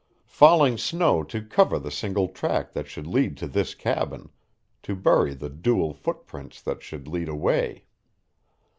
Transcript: Falling snow to cover the single track that should lead to this cabin, to bury the dual footprints that should lead away.